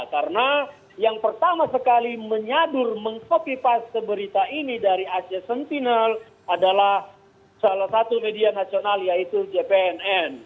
karena yang pertama sekali menyadur mengkopipas seberita ini dari asia sentinel adalah salah satu media nasional yaitu jpnn